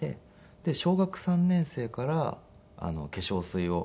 で小学３年生から化粧水を塗り始めて。